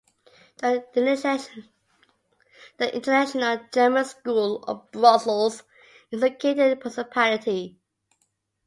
The International German School of Brussels is located in the municipality.